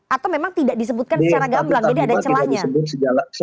atau memang tidak disebutkan secara gamblang jadi ada celahnya